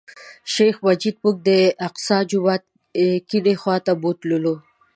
شیخ مجید موږ د الاقصی جومات کیڼې خوا ته بوتللو.